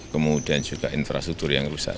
kemudian juga infrastruktur yang rusak